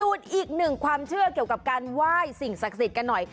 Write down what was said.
อีกหนึ่งความเชื่อเกี่ยวกับการไหว้สิ่งศักดิ์สิทธิ์กันหน่อย